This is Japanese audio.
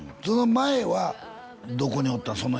その前はどこにおったん？